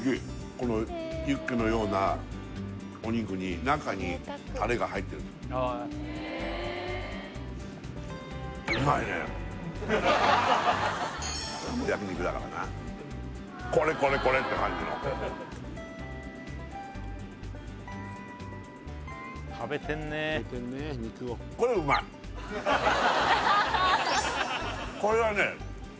このユッケのようなお肉に中にタレが入ってる焼肉だからなこれこれこれって感じのこれはね